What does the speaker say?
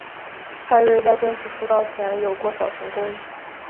派瑞在正式出道前有过小成功。